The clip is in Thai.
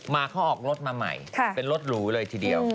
เขาออกรถมาใหม่เป็นรถหรูเลยทีเดียว